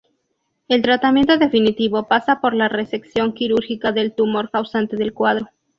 El tratamiento definitivo pasa por la resección quirúrgica del tumor causante del cuadro.